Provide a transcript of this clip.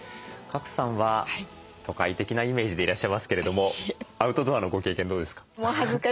賀来さんは都会的なイメージでいらっしゃいますけれどもアウトドアのご経験どうですか？